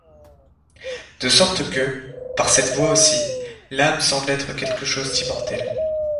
De sorte que, par cette voie aussi, l'âme semble être quelque chose d'immortel.